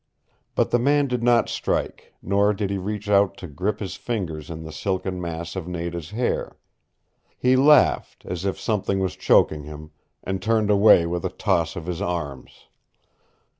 But the man did not strike, nor did he reach out to grip his fingers in the silken mass of Nada's hair. He laughed, as if something was choking him, and turned away with a toss of his arms.